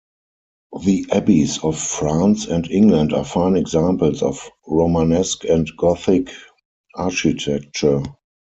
The abbeys of France and England are fine examples of Romanesque and Gothic architecture.